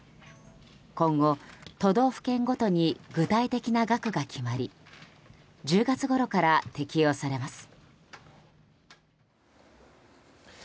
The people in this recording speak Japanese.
今後、都道府県ごとに具体的な額が決まり１０月ごろから適用されます。